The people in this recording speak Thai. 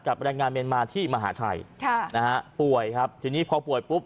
กับรายงานเมียนมาที่มหาไทยป่วยครับทีนี้พอป่วยปุ๊บ